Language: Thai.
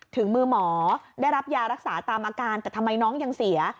ถึงมือหมอได้รับยารักษาตามอาการแต่ทำไมน้องยังเสีย